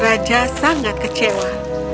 raja sangat kecewa